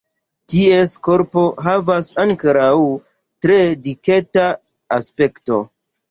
Ties korpo havas ankaŭ tre diketa aspekto.